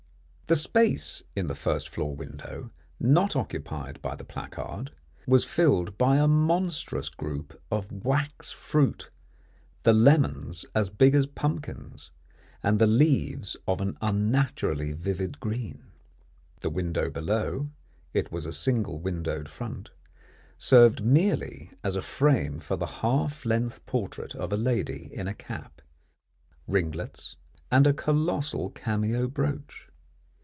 The space in the first floor window not occupied by the placard, was filled by a monstrous group of wax fruit, the lemons as big as pumpkins, and the leaves of an unnaturally vivid green. The window below it was a single windowed front served merely as a frame for the half length portrait of a lady in a cap, ringlets, and a colossal cameo brooch.